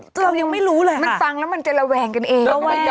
เรายังไม่รู้เลยมันฟังแล้วมันจะระแวงกันเอง